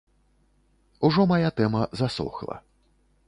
Ужо мая тэма засохла.